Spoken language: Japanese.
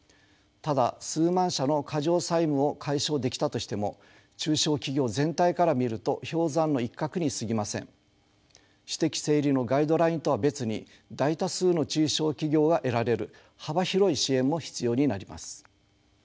ただ数万社の過剰債務を解消できたとしても中小企業全体から見ると氷山の一角にすぎません。私的整理のガイドラインとは別に大多数の中小企業が得られる幅広い支援も必要になります。